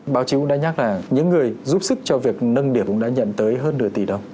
báo chí cũng đã nhắc là những người giúp sức cho việc nâng điểm cũng đã nhận tới hơn nửa tỷ đồng